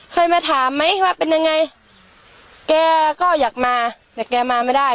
เคยมาถามไหมว่าเป็นยังไงแกก็อยากมาแต่แกมาไม่ได้